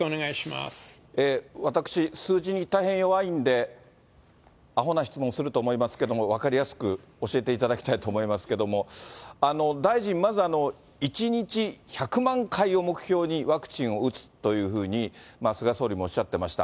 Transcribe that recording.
私、数字に大変弱いんで、あほな質問すると思いますけれども、分かりやすく教えていただきたいと思いますけれども、大臣、まず１日１００万回を目標にワクチンを打つというふうに、菅総理もおっしゃっていました。